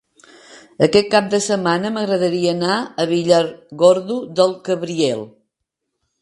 Aquest cap de setmana m'agradaria anar a Villargordo del Cabriel.